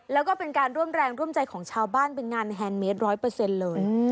แล้วก็เป็นการร่วมแรงร่วมใจของชาวบ้านเป็นงานแฮนดเมตร๑๐๐เลย